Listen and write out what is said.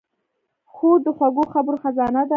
خور د خوږو خبرو خزانه ده.